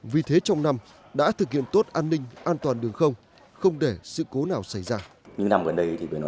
vì thế trong năm đã thực hiện tốt an ninh an toàn đường không không để sự cố nào xảy ra